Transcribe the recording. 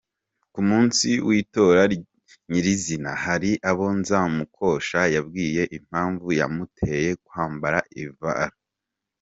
Ku munsi w’ itora nyir’ izina hari abo Nzamukosha yabwiye impamvu yamuteye kwambara ivara.